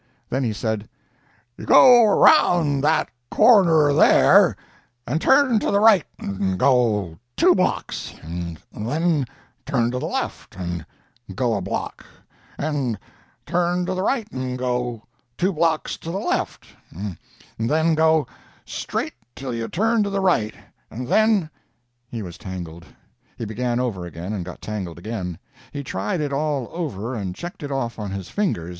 Then he said: "You go around that corner there, and turn to the right and go two blocks, and then turn to the left and go a block, and turn to the right and go two blocks to the left, and then go straight till you turn to the right, and then—" He was tangled. He began over again, and got tangled again. He tried it all over, and checked it off on his fingers.